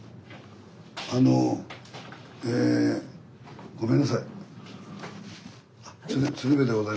あのえごめんなさい。